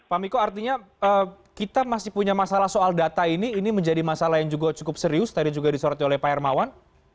pak miko artinya kita masih punya masalah soal data ini ini menjadi masalah yang juga cukup serius tadi juga disorotin oleh pak hermawan